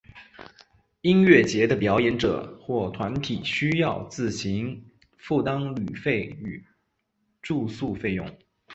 音乐节的表演者或团体需要自行负担旅费与住宿费用。